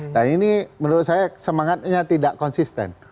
nah ini menurut saya semangatnya tidak konsisten